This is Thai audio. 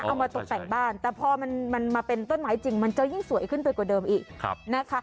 เอามาตกแต่งบ้านแต่พอมันมาเป็นต้นไม้จริงมันจะยิ่งสวยขึ้นไปกว่าเดิมอีกนะคะ